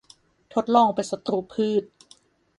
ทดลองเป็นศัตรูพืช